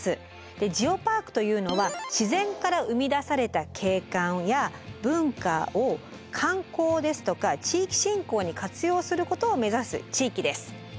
ジオパークというのは自然から生み出された景観や文化を観光ですとか地域振興に活用することを目指す地域です。